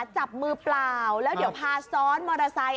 จับมือเปล่าแล้วเดี๋ยวพาซ้อนมอเตอร์ไซค